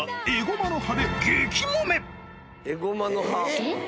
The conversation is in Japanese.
えっ？